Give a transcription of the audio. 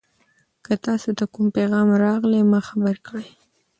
که تاسي ته کوم پیغام راغی ما خبر کړئ.